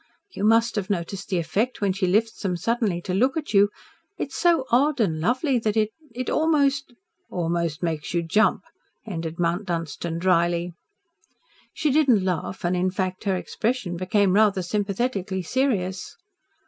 You must have noticed the effect when she lifts them suddenly to look at you. It's so odd and lovely that it it almost " "Almost makes you jump," ended Mount Dunstan drily. She did not laugh and, in fact, her expression became rather sympathetically serious.